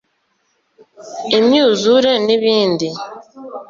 imyuzure n’ibindi